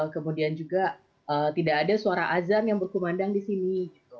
kemudian juga tidak ada suara azan yang berkumandang di sini